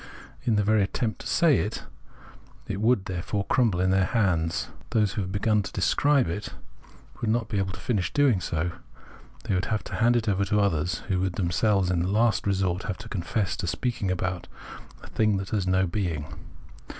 In the very attempt to say it, it would, therefore, cruinble in their hands ; those who have begun to describe it would not be able to finish doing so : they would have to hand it over to others, who would themselves in the last resort have to confess to speaking about a thing that has no being.